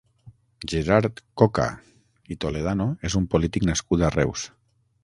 Gerard Coca i Toledano és un polític nascut a Reus.